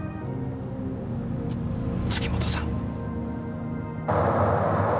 月本さん。